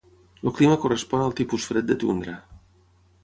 El clima correspon al tipus fred de tundra.